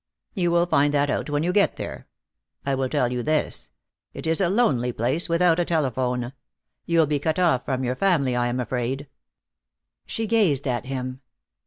"You will find that out when you get there. I will tell you this: It is a lonely place, without a telephone. You'll be cut off from your family, I am afraid." She gazed at him.